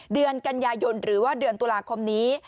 เดือนกันยายนหรือว่าเดือนตุลาคมนี้